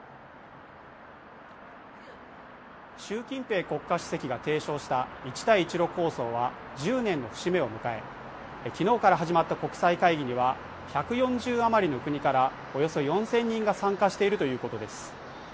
習近平国家主席が提唱した一帯一路構想は１０年の節目を迎え昨日から始まった国際会議には１４０あまりの国からおよそ４０００人が参加しているということです